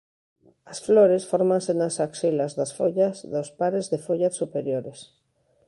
As flores fórmanse nas axilas das follas dos pares de follas superiores.